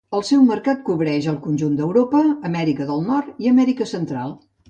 El seu mercat cobreix el conjunt d'Europa, Amèrica del Nord i Amèrica central.